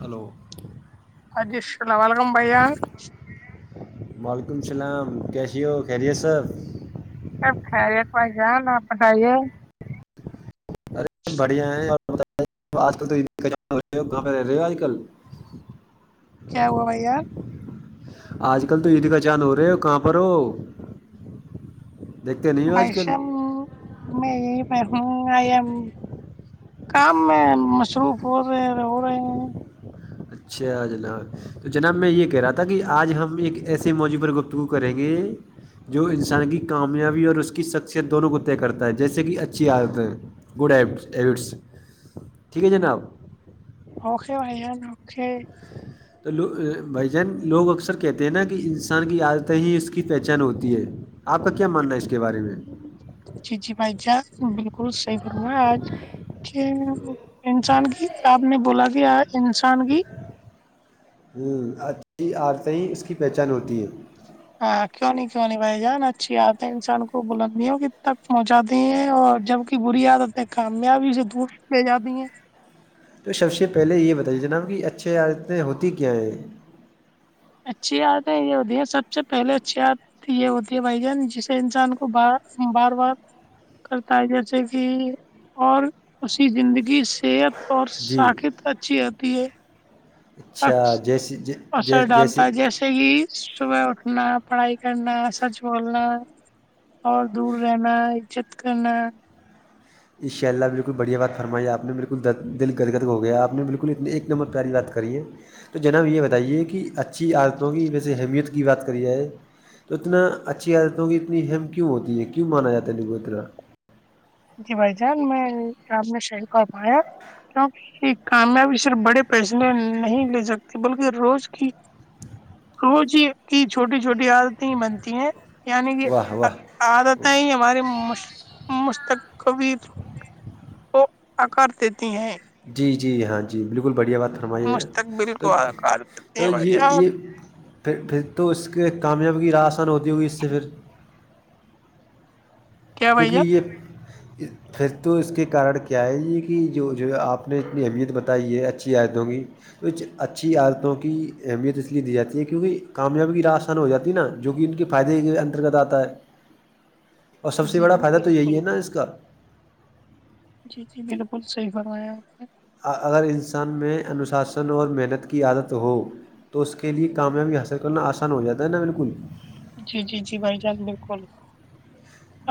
hello ا جی السلام و علیکم بھیا وعلیکم السلام کیسی ہو خیریت صاحب کب کھا رہے کوائی جان آپ بتائیے بڑھیا ہے اور آج کل تو گ رہ رہے ہو آج کل [inaudible] کیا ہوا بھائی یار آج کل تو عیدی کا چاند ہو رہے ہو کہاں پر ہو دیکھتے نہیں ہو آج کل بشم م م ام کام میں مصروف ہو رہے ہو رہے ہیں اچھا جناب تو جناب میں یہ کہہ رہا تھا کہ آج ہم ایک ایسے موضوع پر گفتگو کریں گے جو انسان کی کامیابی اور اس کی شخصیت دونوں کو طے کرتا ہے جیسے کہ اچھی عادتیں گڈ ای ایٹس ٹھیک ہے جناب اوکے بھائیان اوکے تو لو بھائی جان لوگ اکثر کہتے ہیں نا کہ انسان کی عادتیں ہی اس کی پہچان ہوتی ہے آپ کا کیا ماننا ہے اس کے بارے میں جی جی بھائی جان بالکل صحی کروںا آج ج انسان کی آپ نے بولا کہ انسان کی ہ اچھی عورتیں اس کی پہچان ہوتی ہیں ہاں کیوں نہیں کیوں نہیں بھائی جان اچھی آات ہے انسان کو بلندیوں ک تک پہنچاتی ہیں اور جب کی بری عادت ہے کامیابی سے دست لے جاتی ہیں تو سب سے پہلے یہ بتائیے جناب کہ اچھی عادتیں ہوتی کیا ہیں اچھی د ہے یہ ہوتی ہے سب سے پہلے اچھی د تو یہ ہوتی ہے بھائی جان جسے انسان کو بار بار بار کرتا ہے جیسے کہ اور اسسی زندگی صحت اور جی سااکت اچھی ہوتی ہے اچھا عکس جیسی ج جیس اثر جیسیے ڈالتا ہے جیسے کہ صبح اٹھنا پڑھائی کرنا سچ بولنا اور دور رہنا عزت کرنا ان شاء اللہ بالکل بڑھیا بات فرمائی آپ نے بالکل د دل گدگدگ ہو گیا آپ نے بالکل اتنے ایک نمبر پیاری بات کری ہے تو جناب یہ بتائیے کہ اچھی عادتوں کی ویسے اہمیت کی بات کری جائے تو اتنا اچھی یادت ہوں کہ اتنی ہیہم کیوں ہوتی ہے کیوں مانا جاتا ہے ل کوو اترا جی بھائی جان میں رام نے شہیر کومایا کیوںک یہ کامیابی صرف بڑے پیسنے نہیں لے جکتے بلکہ روز کی روز ہی کی چھوٹی چھوٹی عادتیں ہی بنتی ہیں یعنی کہ واہ واہ عادتیں ہی ہماری مستقل کبیر کو آکار دیتی ہیں جی جی ہاں جی بالکل بڑھیا بات ہے فرماے ہیں مستقبل تو کو آکار دیتی تو ہیں بھائی یہ جان یہ پھر پھر تو اس کے کامیاب کی ر آسان ہوتی ہوگی اس سے پھر کیا بھائی کیونکہ جان یہ پھر تو اس کے کارن کیا ہے یہ کہ جو جو آپ نے انی اہمیت بتائی ہے اچھی آیتوں گی کچھ اچھی عادتوں کی اہمیت اس لیے دی جاتی ہے کیونکہ کامیابی کی راس ہو جاتی نا جو کہ ان کے فائدے کے انترگت آتا ہے اور سب سے جی بڑا جی فائدہ تو یہی بالکل ہے نا اس کا جی جی بالکل صحیح فرمایا آپ نے اگر انسان میں انوشاسن اور محنت کی عادت ہو تو اس کے لیے کامیابی حاصل کرنا آسان ہو جاتا ہے نا بالکل جی جی جی بھائی جان بالکل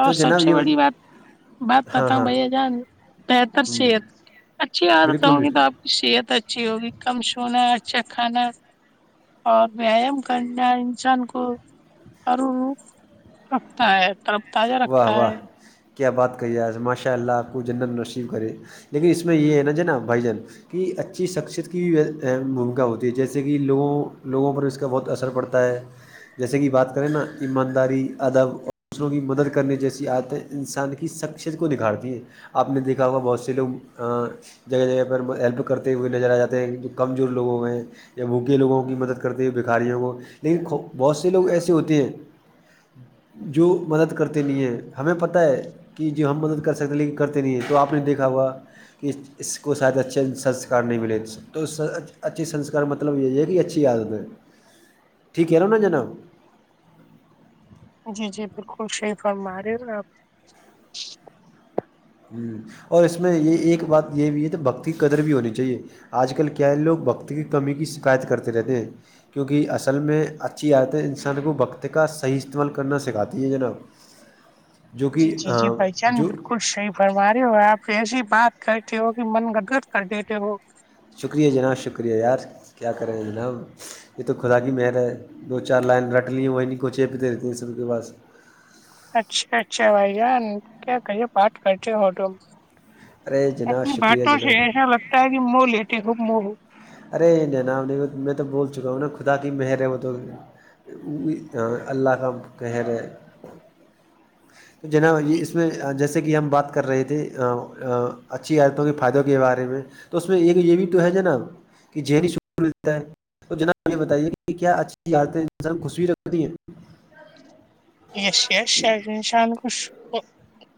اور تو سب جناب سے یہ بڑی بات بت- بات ہاں بتاؤ ہاں بھیا جان بہتر سے اچھی عادت بالکل ہوں گی بالکل تو آپ صحت اچھی ہوگی کم سونا اچھا کھانا اور ویایام کرنا انسان کو اور رکھتا ہے پر واہ واہ کیا بات کہی ہے ماشاء اللہ آپ کو جنت نشب کرے لیکن اس میں یہ ہے نا جو نا بھائی جان کی اچھی شخصیت کی بھی بھومکا ہوتی ہے جیسے کہ لوگوں لوگوں پر اس کا بہت اثر پڑتا ہے ہے جیسے کہ بات کریں نا ایمانداری ادب اور دوسروں کی مدد کے کرنے جیسی آتیں انسان کی شخصیت کو نکھارتی ہیں آپ نے دیکھا ہوا بہت سے لوگ جگہ جگہ پر ہیلپ کرتے ہوئے لے ج آ جاتے ہیں جو کمزور لوگوں میں ہیں یا بھوکے لوگوں کی مدد کرتے ہوئے بکھاریوں کو لیکن بہت سے لوگ ایسے ہوتے ہیں جو مدد کر نہیں ہے ہمیں پت ہے کہ جو ہم مدد کر سکتے ہیں لیکن کرتے نہیں ہیں تو آپ نے دیکھا ہوا کہ اس کو شاید اچھے سنسکار نہیں ملے تو اچھے سنسکار مطلب یہ ہے کہ اچھی عادت ہے ٹھیک ہے نا نا جناب جی جی بالکل شیف ہم آ رہے ہو آپ ہ اور اس میں یہ ایک بات یہ بھی ہے تو بھکتی کی قدر بھی ہونی چاہیے آج کل کیا لوگ بقتی کی کمی کی شکایت کرتے رہتے ہیں کیونکہ اصل میں اچھی آت ہے انسان کو بقت کا صحیح استعمال کرنا سکھاتی ہے جناب جو کہ جو بھرمارے ہو آپ ایسی بات کرتے ہو کہ من گدگد کر دیتےے وہ شکریہ جناب شکریہ یار کیا کریں جناب یہ تو خدا کی مہل ہے دو چار لائن رٹ لی ہیں وہی نہیں کو چی پیتے رہتے ہیں سب کے پاس اچھا اچھا بھائی جان کیا کہیے پات کرتے ہوٹو ارے جناب اپنی شکریہ بانٹوں سے جناب ایسا لگتا ہے کہ منہ لیتی خوب موہ ارے جناب نہیں میں تو بول چکا ہوں نا خدا کی مہر ہے وہ تو وہ اللہ کا کہے رہے تو جنا یہ اس میں جیسے کہ ہم بات کر رہے تھے اچھی آیتوں کے فائدوں کے بارے میں تو اس میں ایک یہ بھی تو ہے ج نا کہ جنیتا ہے تو جناب یہ بتائیے کہ کیا اچھی عادتیں انسان خوشوی رکھتی ہیں یس یس ش ان شان ک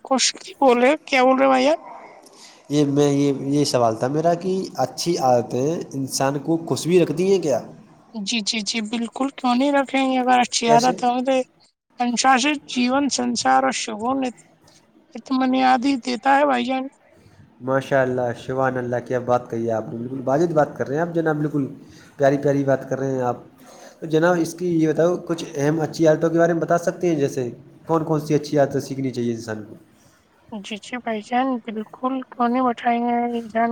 کش کی ب رہے کیا بول رہے بھیا [inaudible] یہ میں یہ یہ سوال تھا میرا کہ اچھی عادتیں انسان کو خوش بھیی رکھ دی ہیں کیا جی جی جی بالکل کیوں نہیں رکھیں گے اگر اچھی کیسے عادت ہےے انشاست جیون سنسار اور شگ یہ تو م نے یاد ہی دیتا ہے بھائی جان ماشاء اللہ شیوان اللہ کی اب بات کہی ہے آپ نے بالکل باجد بات کر رہے ہیں آب جناب بالکل پیاری پیاری بات کر رہے ہیں آپ تو جناب اس کی یہ بتاؤ کچھ اہم اچھی عادتوں کے بارے میں بتا سکتے ہیں جیسے کون کون سی اچھی آیاتیں سیکھنی چاہیے انسان کو جی جی بھائی جان بالکل کیوں نہیں بٹھائیں گے جان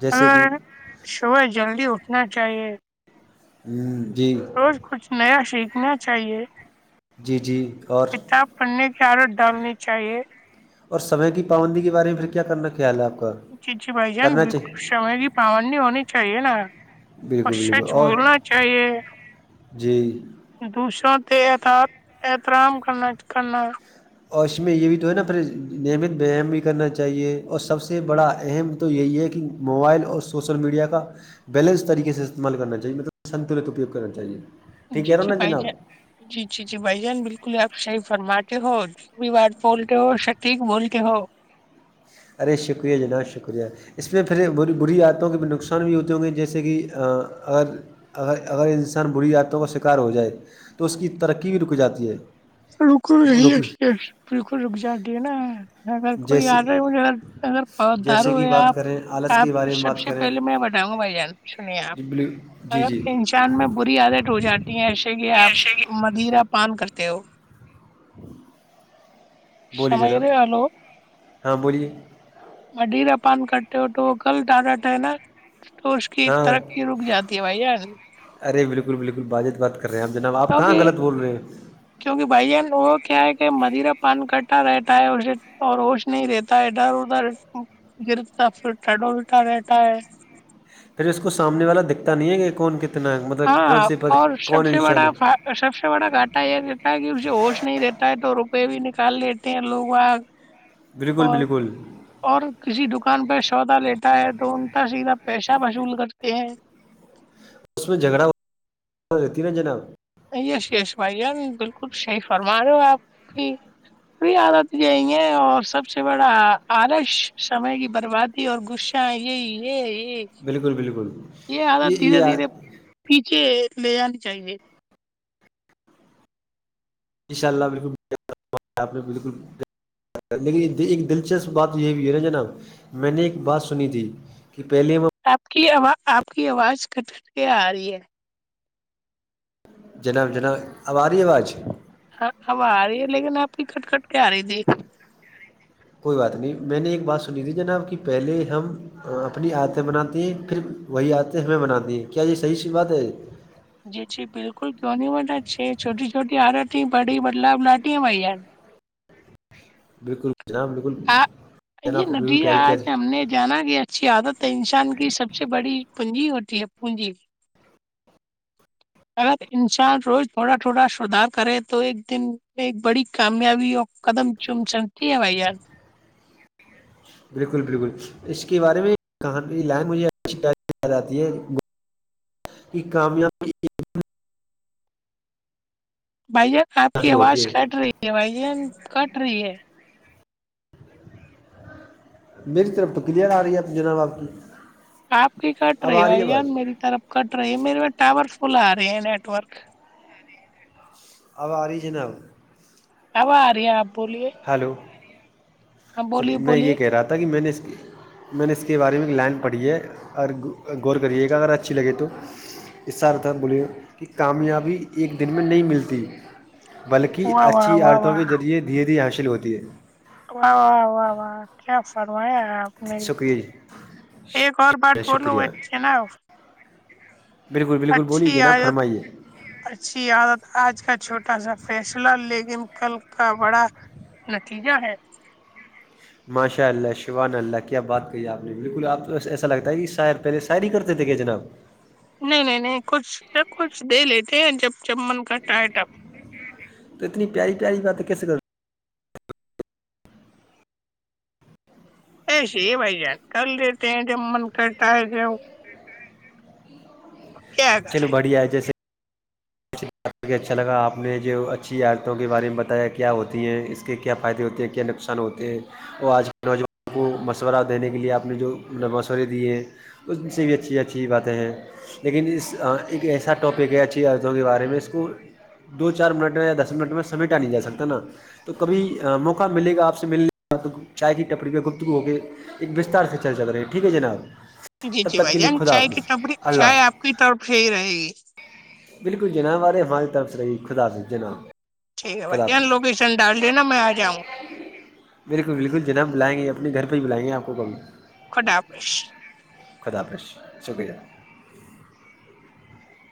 جیسے کہ اگر صبح جلدی اٹھنا چاہیے ہ جی روز کچھ نیا سیکھنا چاہیے جی جی اور پنی کیارت ڈالنی چاہیے اور سمے کی پابندی کے بارے میں پھر کیا کرنا خیال ہے آپ کا جی جی بھائی جان کرنا بالکل چاہیے سامے بھی پامان نہیں ہونی چاہیے نا اچ بالکل سچ بالکل اور بولنا چاہیے جی دوسروں احترام کرنا کرنا اور اس میں یہ بھی تو ہے نا پھر نعمت بییام بھی کرنا چاہیے اور سب سے بڑا اہم تو یہی ہے کہ موبائل اور سوشل میڈیا کا بیلنس طریق سے استعمال کرنا چاہے مطلب سنتلت اپیوگ کرنا چاہیے ٹھیک جی کہہ رہا ہوں جی نا بائی جناب جان جی جی جی بائی جان بالکل آپ شائی فرمے ہو ت بھی بات پولتے ہو س ٹھیک بولتے ہو ارے شکریہ جناب شکریہ اس میں پھر بری عادتوں کے بھی نقصان بھی ہوتے ہوں گے جیسے کہ اگر اگر اگر انسان بری عاتتوں کا شکار ہو جائے تو اس کی ترقی بھی رک جاتی ہے بالکلی رک بالکل رک جاتی ہے نا اگر کوئی جیسے آڈر ہے مھے اگر اگر جیسے داروں کہ ہے بات آپ کریں آلس آپ کے بارے میں سب بات سے سے کریں پہے میں بتاؤں گا بھائی جان سنیے آپ جی اگر جی انسان میں بری عادت ہو جاتی ایسے کہ آپ مدیرہ پان کرتے ہو [inaudible] بولیے سمیرے جناب آلو ہاں بولیے م ڈیرا پان کٹتے ہوٹو وہ کل ڈٹاڈاٹ ہے نا تو اس کی ہاں ترقی رک جاتی ہے بھائییا ارے بالکل بالکل باجت بات کر رہے ہیں آپ جناب آپ کہاں کیونکہ غلط بول رہے ہیں کیونکہ بھائی جان وہ کیا ہے کہ مدرا پان کٹا رہتا ہے اسے اور ہوش نہیں دیتا تا ادھر ادھر گرتا پھر ٹڈ الٹا لیتاا ہے پھر اس کو سامنے والا دکھتا نہیں ہے کہ کون کتنا مطلب کون ہاں سی پد اور سب کون سے انشان بڑا ہے سب سے بڑا گانٹا یہ کہتاا کہ اسے ہوش نہیں دیتا ہے تو روپئے بھی نکال لیتے ہیں لوگ آگ بالکل بالکل اور کسی دکان پہ سودا لیتا ہے تو ان کا سیدھا پیسہ وصول کرتے ہیں اس میں جھگڑا ہو رہتی نا جناب یس یش بھائی جان بالکل صحیح فرما رہے ہو آپ کی بھی عادت جائیں گے اور سب سے بڑا آرش سمے کی برباد اور گش بالکل بالکل یہ دھیرے پیچھے لے جانی چاہیے ان شاء اللہ بالکل آپ نے بالکل لیکن ایک دلچسپ بات یہ ہے نا جناب میں نے ایک بات سنی تھی کہ پہلے آپ کیواز آپ کی آواز کٹٹ کے آ رہی ہے جنا جنا آواری آواز ہاں اب آ رہی ہے لیکن آپ کی کٹ کٹ کے آ رہی تھی کوئی بات نہیں میں نے ایک بات سنی تھی جناب کہ پہلے ہم اپنی آتےیں بناتی ہیں پھر وہی آتےیں ہمیں بناتی ہیں کیا یہ صحیح سی بات ہے جی جی بالکل کیوںنی ما چ چھٹی چھوٹی آرت بڑی بدلاؤ لٹی ہے میں یار بالکل جناب بالکل آ یہ جناب بالکل ندی پیاری آج پیاری ہم نے [unintelligible] جانا کی اچھی عادت ہے انسان کی سب سے بڑی پونجی ہوتی ہے پونجی اگر انسان روز تھوڑا تھوڑا سدار کرے تو ایک دن ایک بڑی کامیابی اور کدم چوم چنتی ہے بائی یار بالکل بالکل اس کے بارے میں کہاں لینگ آتی ہے کی کامیابی [unintelligible] بھائیین آپ کی حاصل ہوتی آواز ہے کٹ رہی ہے بھائی جین کٹ رہی ہے میری طرف تو کلیئر آ رہی ہے تجرب باپ کی آپ کی کٹ اب رہی ہو آ ہے بھائی آواز ان میری طرف کٹ رہی ہے میرے ٹاور فل آ رہے ہیں نیٹ ورک اب آیجنل اب آ رہی ہے آپ بولیے [unintelligible] ہلو ہاں چلو بولیے میں یہ بولیے کہہ رہا تھا کہ میں نے اس کی میں نے اس کے بارے میں ایک لائن پڑھی ہے اور غور کریے گا اگر اچھی لگے تو اس س ارھ ہے بولیے کہ کامیابی ایک دن میں نہیں ملتی بلکہ واہ واہ اچھی واہ عتوں واہ کے ذریعے دھیر دھی حاصل ہوتی ہے و و و کیا فرمیا شکریہ [unintelligible] جی ایک اور بات بولو شکریہ ہو چ نا آ [unintelligible] بالکل بالکل بولیے نا عادت فرمائیے اچھی عادت آج کا چھوٹا سا فیصلہ لیکن کل کا بڑا نتیجہ ہے ماشاء اللہ شوان اللہ کیا بات کہی آپ نے بالکل آپ تو ایسا لگتا ہے کہ شاعر [unintelligible] پہلے سری کرتے تھے کہ جناب نہیں نہیں نہیں کچھ سب کچھ دے لیتے جب چمن کاٹ ہےٹم تو اتنی پیاری پیاری بات کیس کر ایسے ہی بھائی جان کر دیتے ہیں جب من کرتا ہے ج کیا چلو کریں بڑیا جیے [unintelligible] ے اچھا لگا آپ نے جو اچھی عادتوں کے بارے میں بتایا کیا ہوتی ہیں اس کے کیا فائدے ہوتی ہیں کیا نقش آسان ہوتے ہیں اور آج کے نوجوان کو مشورہ دینے کے لیے آپ نے جو مشورے دیے ہیں اس سے بھی اچھی اچھی باتیں ہیں لیکن اس ایک ایسا ٹاپک ہے اچھی عرتوں کے بارے میں اس کو کو دو چار منٹ میں یا دس منٹ میں سمیٹا نہیں جا سکتا نا تو کبھی موقع ملے گا آپ سے ملنے کا تو چائے کی ٹپریی پہ گفتگو ہو کے ایک بستار سے چل چل رہی ہے ٹھیک ہے جناب جی تب جی تک بھائی کے لیے جان خدا چائے کی حافظ تبری چائے اللہ آپ کی طرف سے ہی رہے گی بالکل جناح بار ہماری طرف سے بھی خدا حافظ جناح ٹھیک ہے بھائی ی لوکیشن ڈالی نا میں آ جاں گا میرےل بالکل جناب بلائیں گے اپنے گھر پہ ہی بلائیں گے آپ کو کب خوڈا پس [unintelligible] خدافش شکریہ